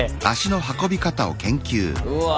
うわ。